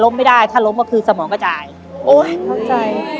ล้มไม่ได้ถ้าล้มว่าคือสมองก็จ่ายโอ้ยเข้าใจ